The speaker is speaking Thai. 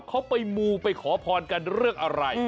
เขาไปมูไปขอพรกันเรื่องอะไร